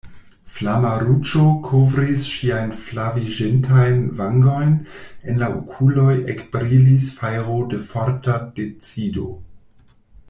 Flama ruĝo kovris ŝiajn flaviĝintajn vangojn, en la okuloj ekbrilis fajro de forta decido.